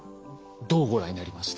どうご覧になりました？